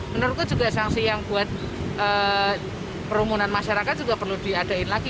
menurutku juga sanksi yang buat kerumunan masyarakat juga perlu diadain lagi